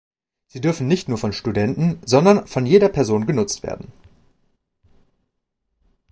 Sie dürfen nicht nur von Studenten, sondern von jeder Person genutzt werden.